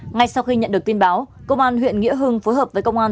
ngay sau khi nhận được tin báo công an huyện nghĩa hưng phối hợp với công an